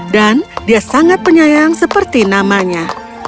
dan dia sangat penyayang seperti namanya